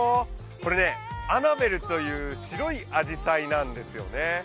これね、アナベルという白いあじさいなんですよね。